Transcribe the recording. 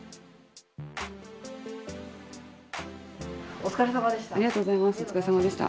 お疲れさまでした。